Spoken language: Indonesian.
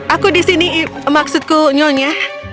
aku di sini maksudku nyonya